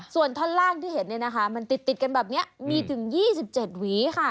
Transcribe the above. ส่วนท่อนล่างที่เห็นมันติดกันแบบนี้มีถึง๒๗หวีค่ะ